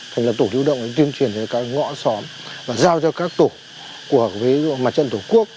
thành lập tổ lưu động tuyên truyền về các ngõ xóm và giao cho các tổ của mặt trận tổ quốc